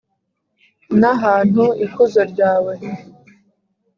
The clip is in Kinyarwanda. N ahantu ikuzo ryawe